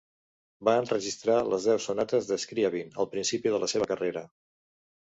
Va enregistrar les deu sonates de Scriabin al principi de la seva carrera.